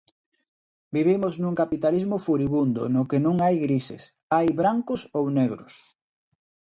Vivimos nun capitalismo furibundo no que non hai grises, hai brancos ou negros.